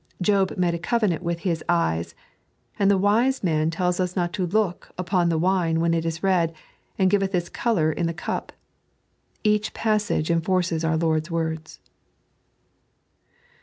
Job made a covenant with his eyes, and the Wise Man tells us not to look upon the wine when it is red, and giveth its colour in the cup. Each passage enforces our Lord's words.